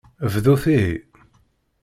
Bdut ihi.